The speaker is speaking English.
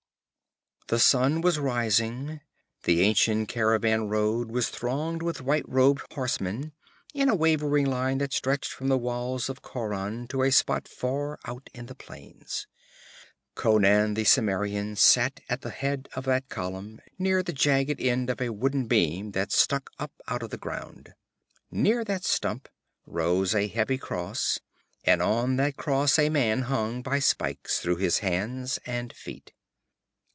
The sun was rising. The ancient caravan road was thronged with white robed horsemen, in a wavering line that stretched from the walls of Khauran to a spot far out in the plain. Conan the Cimmerian sat at the head of that column, near the jagged end of a wooden beam that stuck up out of the ground. Near that stump rose a heavy cross, and on that cross a man hung by spikes through his hands and feet.